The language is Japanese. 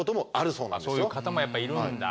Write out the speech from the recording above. そういう方もやっぱいるんだ。